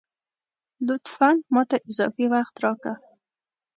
لطفاً ! ماته اضافي وخت راکه